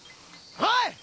はい！